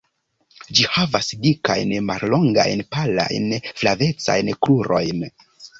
Ĝi havas dikajn, mallongajn, palajn, flavecajn krurojn.